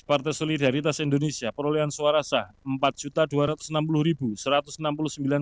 partai solidaritas indonesia perolehan suara sah rp empat dua ratus enam puluh satu ratus enam puluh sembilan